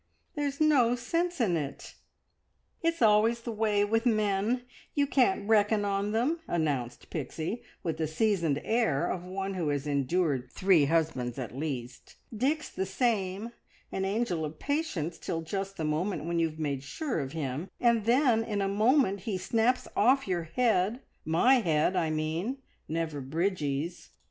There's no sense in it!" "It's always the way with men. You can't reckon on them," announced Pixie, with the seasoned air of one who has endured three husbands at least. "Dick's the same an angel of patience till just the moment when you've made sure of him, and then in a moment he snaps off your head my head, I mean, never Bridgie's.